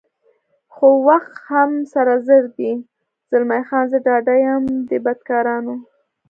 خو وخت هم سره زر دی، زلمی خان: زه ډاډه یم دې بدکارانو.